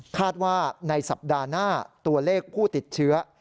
คาดว่าในสัปดาห์หน้าตัวเลขผู้ติดเชื้อ